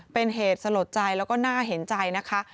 เป็นเหตุสลดใจแล้วก็น่าเห็นใจนะคะ